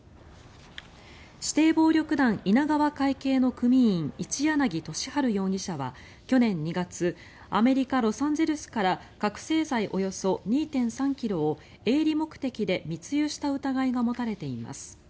指定暴力団稲川会系の組員一柳敏春容疑者は去年２月アメリカ・ロサンゼルスから覚醒剤およそ２．３ｋｇを営利目的で密輸した疑いが持たれています。